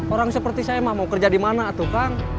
orang seperti saya mah mau kerja dimana tuh kang